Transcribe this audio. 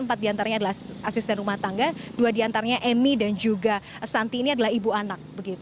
empat diantaranya adalah asisten rumah tangga dua diantaranya emi dan juga santi ini adalah ibu anak